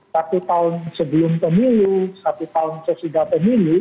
satu tahun sebelum pemilu satu tahun sesudah pemilu